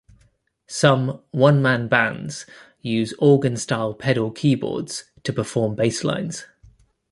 Some "one-man bands" use organ-style pedal keyboards to perform basslines.